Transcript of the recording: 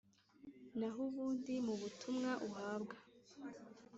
naho ubundi mu butumwa uhabwa